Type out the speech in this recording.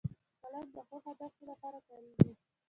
قلم د ښو هدفونو لپاره کارېږي